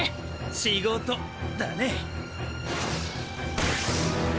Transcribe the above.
仕事だね。